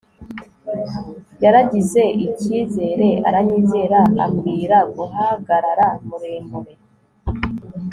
yaragize ikizere aranyizera ambwira guhagarara muremure